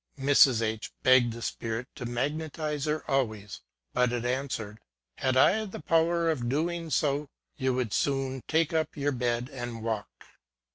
Mrs. H begged the spirit to magnetize her always ; but it answered ŌĆö '' Had I the power of doing so, you would soon take up your bed and walk